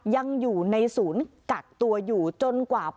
ยังอยู่ในศูนย์กักตัวอยู่จนกว่า